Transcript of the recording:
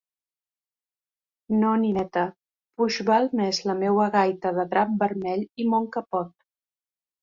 No, nineta, puix val més la meua gaita de drap vermell i mon capot.